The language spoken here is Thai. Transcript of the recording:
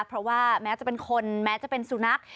เพราะว่าแม้จะเป็นคนแม้จะเป็นสุนัข